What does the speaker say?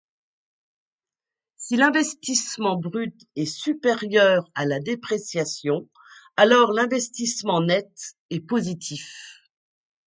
Si l'investissement brut est supérieur à la dépréciation, alors l'investissement net est positif.